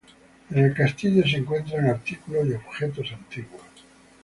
En el castillo se encuentran artículos y objetos antiguos.